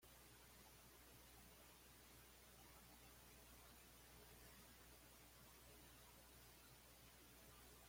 Perteneció a una familia de jinetes, sus hermanos destacaron en innumerables concursos en Europa.